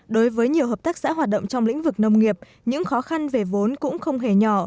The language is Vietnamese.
đối với nhiều hợp tác xã hoạt động trong lĩnh vực nông nghiệp những khó khăn về vốn cũng không hề nhỏ